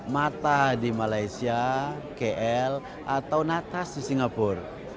mata di malaysia kl atau natas di singapura